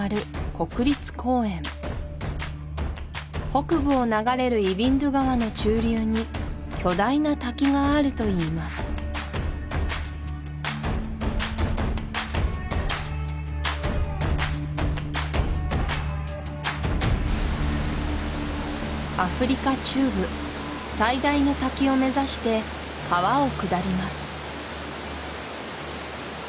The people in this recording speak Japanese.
国立公園北部を流れるイヴィンドゥ川の中流に巨大な滝があるといいますアフリカ中部最大の滝を目指して川を下ります